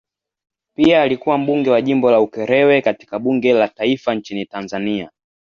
Pia alikuwa mbunge wa jimbo la Ukerewe katika bunge la taifa nchini Tanzania.